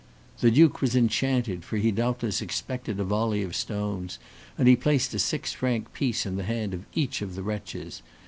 The duke was enchanted, for he doubtless expected a volley of stones, and he placed a six franc piece in the hand of each of the wretches.